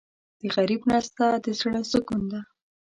د غریب مرسته د زړه سکون ده.